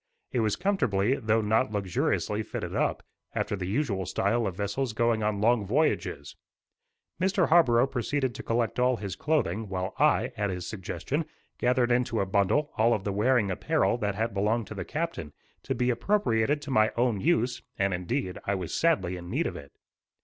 It was comfortably, though not luxuriously fitted up, after the usual style of vessels going on long voyages. Mr. Harborough proceeded to collect all his clothing, while I, at his suggestion, gathered into a bundle all of the wearing apparel that had belonged to the captain, to be appropriated to my own use; and indeed, I was sadly in need of it.